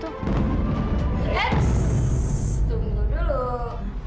eps tunggu dulu